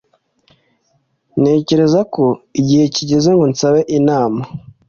Ntekereza ko igihe kigeze ngo nsabe inama